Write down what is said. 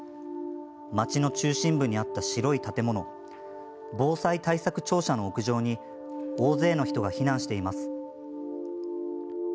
町の中心部にあった白い建物防災対策庁舎の屋上に大勢の人が避難しています。